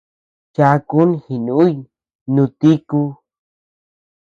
Chakun jínuy nútdiku.